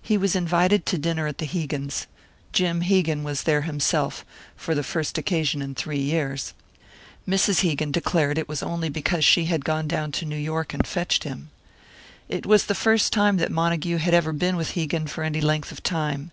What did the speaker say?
He was invited to dinner at the Hegans'. Jim Hegan was there himself for the first occasion in three years. Mrs. Hegan declared that it was only because she had gone down to New York and fetched him. It was the first time that Montague had ever been with Hegan for any length of time.